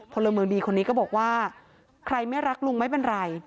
พลเมืองดีคนนี้ก็บอกว่าใครไม่รักลุงไม่เป็นไร